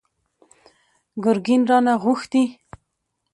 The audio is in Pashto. ګرګين رانه غوښتي!